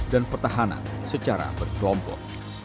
dan pertahanan secara berkelompok